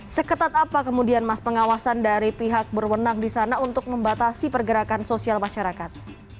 seketat apa kemudian mas pengawasan dari pihak berwenang di sana untuk membatasi pergerakan sosial masyarakat